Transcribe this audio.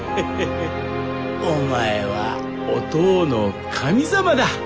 お前はおとうの神様だ！